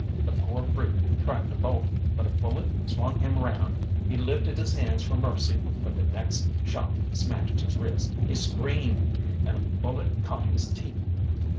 The poor brute tried to bolt, but a bullet swung him around. He lifted his hands for mercy, but the next shot smashed his wrist. He screamed, and a bullet caught his teeth.